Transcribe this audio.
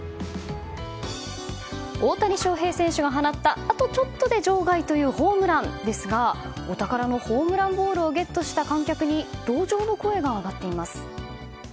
大谷翔平選手が放ったあとちょっとで場外というホームランですがお宝のホームランボールをゲットした観客に同情の声が上がっています。